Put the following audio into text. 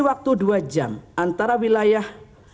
waktu dua jam antara wilayah